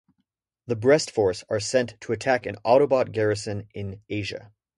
The Breast Force are sent to attack an Autobot garrison in Asia.